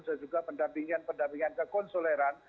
dan juga pendampingan pendampingan ke konsuleraan